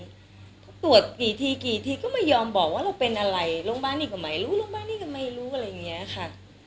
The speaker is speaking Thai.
สนใจเท่าไหร่แต่ถ้าตรวจกี่ทีกี่ทีก็ไม่ยอมบอกว่าเราเป็นอะไรลงบ้านนี้ก็ไม่รู้ลงบ้านนี้ก็ไม่รู้อะไรอย่างนี้คะ